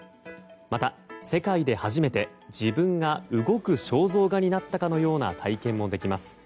また、世界で初めて自分が動く肖像画になったかのような体験もできます。